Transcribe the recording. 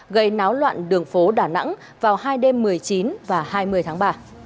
gây náo loạn đường phố đà nẵng vào hai đêm một mươi chín và hai mươi tháng ba